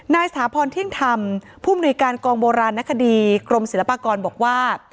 สถาพรเที่ยงธรรมผู้มนุยการกองโบราณนคดีกรมศิลปากรบอกว่า